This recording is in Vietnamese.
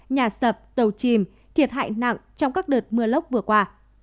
nhà sập tàu chìm thiệt hại nặng trong các đợt mưa lốc vừa qua